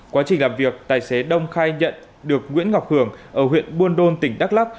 quá trình làm việc tài xế đông khai nhận được nguyễn ngọc hường ở huyện buôn đôn tỉnh đắk lắc